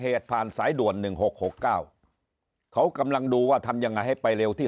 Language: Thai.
ผ่านสายด่วน๑๖๖๙เขากำลังดูว่าทำยังไงให้ไปเร็วที่